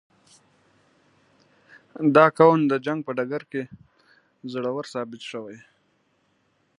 • دا قوم د جنګ په ډګر کې زړور ثابت شوی.